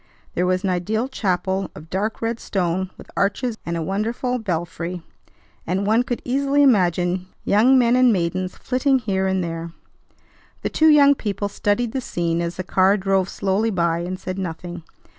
There was an ideal chapel of dark red stone with arches and a wonderful belfry, and one could easily imagine young men and maidens flitting here and there. The two young people studied the scene as the car drove slowly by, and said nothing.